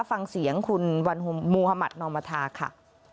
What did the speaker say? ฟังเสียงคุณวันมุธมัธนอมธาค่ะ